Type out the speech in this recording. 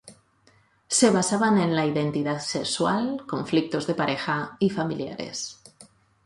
Se basaban en la identidad sexual, conflictos de pareja y familiares.